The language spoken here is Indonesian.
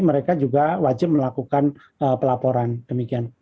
mereka juga wajib melakukan pelaporan demikian